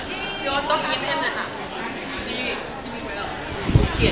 พี่โอ้ต้องกินเย็นหน่อยค่ะ